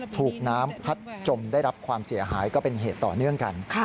ถูกน้ำพัดจมได้รับความเสียหายก็เป็นเหตุต่อเนื่องกัน